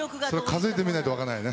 数えてみないと分からないね。